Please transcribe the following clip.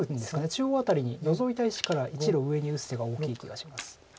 中央辺りにノゾいた石から１路上に打つ手が大きい気がします。